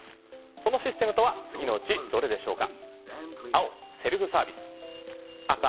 そのシステムとは次のうちどれでしょうか？